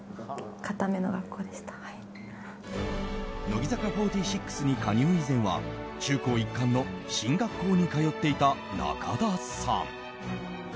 乃木坂４６に加入以前は中高一貫の進学校に通っていた中田さん。